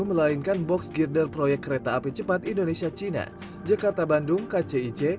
melainkan box girder proyek kereta api cepat indonesia cina jakarta bandung kcic